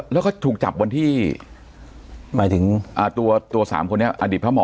แล้วก็ถูกจับวันที่หมายถึงตัวสามคนนี้อดีตพระหมอ